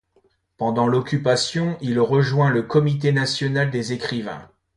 Pendant l’Occupation, il rejoint le Comité national des écrivains.